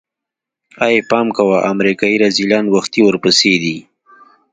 ای پام کوه امريکايي رذيلان وختي ورپسې دي.